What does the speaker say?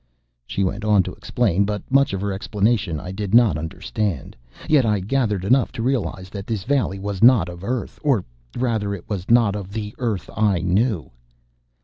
She went on to explain, but much of her explanation I did not understand. Yet I gathered enough to realize that this valley was not of Earth. Or, rather, it was not of the earth I knew.